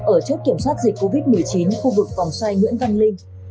ở chốt kiểm soát dịch covid một mươi chín khu vực vòng xoay nguyễn văn linh